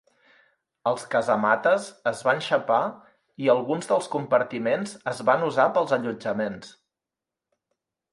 Els casamates es van xapar i alguns dels compartiments es van usar pels allotjaments.